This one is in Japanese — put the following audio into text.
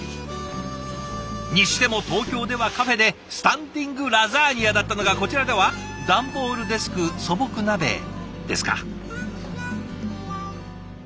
にしても東京ではカフェでスタンディングラザニアだったのがこちらでは段ボールデスク素朴鍋ですか。